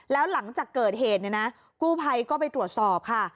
แล้วหลังจากเกิดเหตุกรูไพยก็ไปตรวจสอบค่ะ